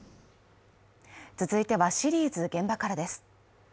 続いては、シリーズ「現場から」です。